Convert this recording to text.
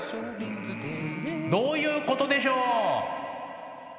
どういうことでしょう？